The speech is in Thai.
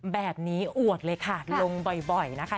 แบบนี้อวดเลยค่ะลงบ่อยนะคะ